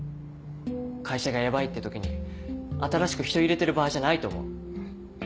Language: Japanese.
会社がヤバいって時に新しく人入れてる場合じゃないと思う。